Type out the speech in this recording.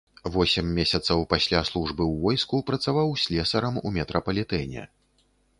Восем месяцаў пасля службы ў войску працаваў слесарам у метрапалітэне.